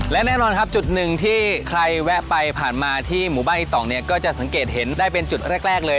และแน่นอนครับจุดหนึ่งที่ใครแวะไปผ่านมาที่หมู่บ้านอีต่องเนี่ยก็จะสังเกตเห็นได้เป็นจุดแรกเลย